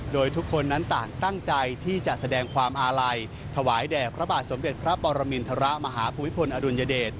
โดยทุกคนนั้นต่างตั้งใจที่จะแสดงความอาลัยถวายแด่พระบาทสมเด็จพระปรมินทรมาฮภูมิพลอดุลยเดช